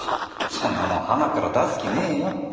そんなもん端っから出す気ねえよ。